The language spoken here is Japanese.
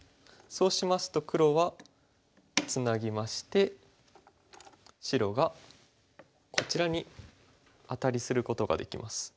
そうしますと黒はツナぎまして白がこちらにアタリすることができます。